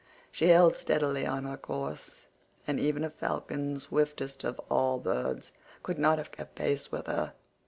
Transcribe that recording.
She held steadily on her course, and even a falcon, swiftest of all birds, could not have kept pace with her.